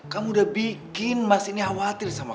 kamu udah bikin mas ini khawatir sama kamu